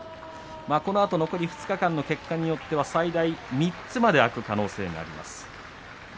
このあと残り２日間の結果によっては最大３つまで空く可能性があります。